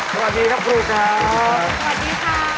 สวัสดีครับครูครับ